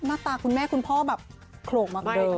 มาตาคุณแม่คุณพ่อโหลกมากเลย